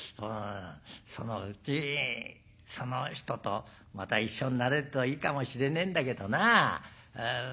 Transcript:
そのうちその人とまた一緒になれるといいかもしれねえんだけどな」。